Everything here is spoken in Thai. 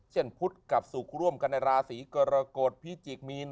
เช่นพุทธกับสุขร่วมกันในราศีกรกฎพิจิกมีน